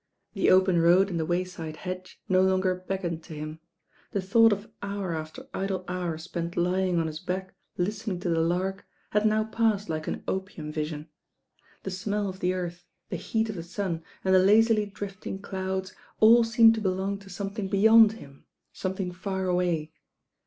The open road and the wayside hedge no longer beckoned to him. The thought of hour after idle hour spent lying on his back listening to the lark had now assed like an opium vision. The smell of the earth, the heat of the sun and the lazily drifting clouds, all seemed to belong to some thing beyond him, something far away.